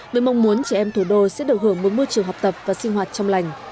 với mong muốn trẻ em thủ đô sẽ được hưởng một môi trường học tập và sinh hoạt trong lành